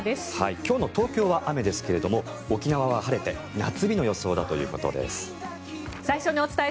今日の東京は雨ですが沖縄は晴れて夏日の予想だということです。